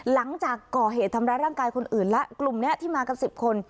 หลังจากก่อเหตุทำร้ายร่างกายคนอื่นแล้วกลุ่มนี้ที่มากัน๑๐คน